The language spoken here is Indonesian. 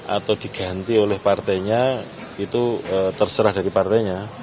atau diganti oleh partainya itu terserah dari partainya